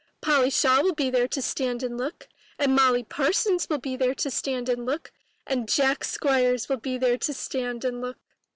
Polly Shaw will be there to stand and look, and Molly Parsons will be there to stand and look, and Jack Squires will be there to stand and look.